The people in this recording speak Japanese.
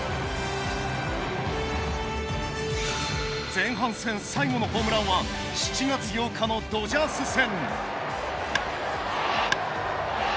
前半戦最後のホームランは７月８日のドジャース戦。